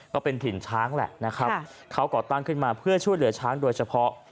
ก็เป็นถิ่นช้างแหละนะครับเขาก่อตั้งขึ้นมาเพื่อช่วยเหลือช้างโดยเฉพาะ